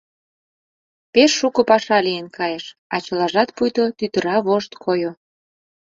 Пеш шуко паша лийын кайыш, а чылажат пуйто тӱтыра вошт койо.